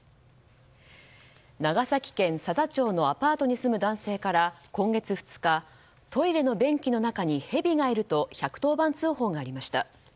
長崎県佐々町のアパートに住む男性から今月２日、トイレの便器の中にヘビがいると１１０番通報がありました。